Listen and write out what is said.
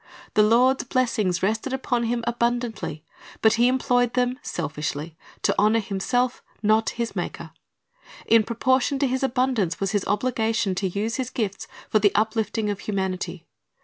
The Lord's blessings rested upon him abundantly, but he employed them selfishly, to honor himself, not his Maker. In proportion to his abundance was his obligation to use his gifts for the uplifting of humanity.